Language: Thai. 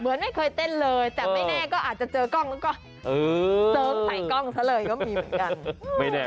ไม่เคยเต้นเลยแต่ไม่แน่ก็อาจจะเจอกล้องแล้วก็เสริมใส่กล้องซะเลยก็มีเหมือนกัน